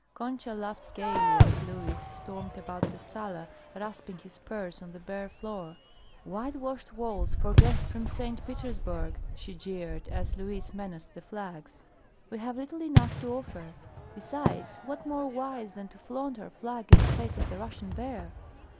Concha laughed gaily as Luis stormed about the sala rasping his spurs on the bare floor. "Whitewashed walls for guests from St. Petersburg!" she jeered, as Luis menaced the flags. "We have little enough to offer. Besides what more wise than to flaunt our flag in the face of the Russian bear?